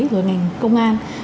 rồi ngành công an